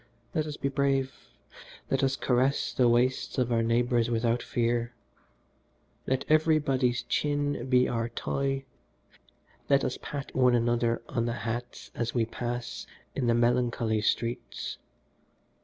Let us be brave. Let us caress the waists of our neighbours without fear. Let everybody's chin be our toy. Let us pat one another on the hats as we pass in the melancholy streets.